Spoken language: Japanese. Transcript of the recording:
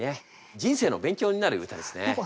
人生の勉強になる歌ですね。